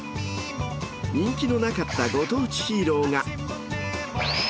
人気のなかったご当地ヒーローが。